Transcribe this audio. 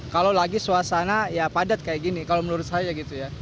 kalau lagi suasana ya padat kayak gini kalau menurut saya gitu ya